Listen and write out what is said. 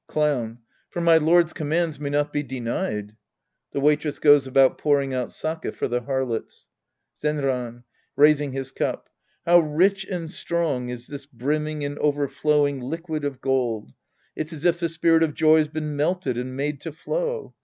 Clown. For my lord's commands may not be denied. {^he Waitress goes about pouring out sake for the Harlots!) Zenran {raising his cup). How rich and strong is tills brimming and overflowing liquid of gold ! It's as if the spirit of joy's been melted and made to flow.